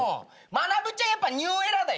まなぶちゃんやっぱニューエラだよ。